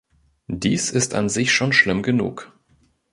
Dies ist an sich schon schlimm genug.